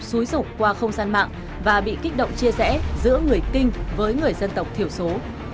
xúi rục qua không gian mạng và bị kích động chia rẽ giữa người kinh với người dân tộc thiểu số